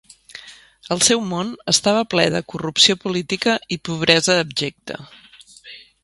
El seu món estava ple de corrupció política i pobresa abjecta.